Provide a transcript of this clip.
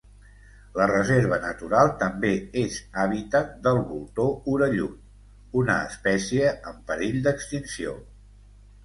La reserva natural també és habitat del voltor orellut, una espècie en perill d'extinció.